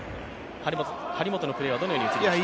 張本のプレーはどのように映りましたか？